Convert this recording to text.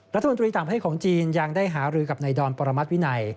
รัฐมนตรีต่างประเทศของจีนยังได้หารือกับนายดอนปรมัติวินัย